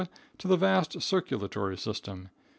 to the vast circulatory system.